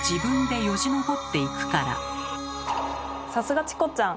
さすがチコちゃん！